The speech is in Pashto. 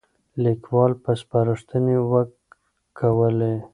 ليکوال به سپارښتنې ورکولې.